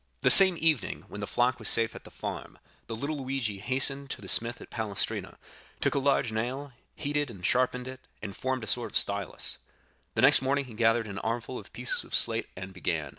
The same evening, when the flock was safe at the farm, the little Luigi hastened to the smith at Palestrina, took a large nail, heated and sharpened it, and formed a sort of stylus. The next morning he gathered an armful of pieces of slate and began.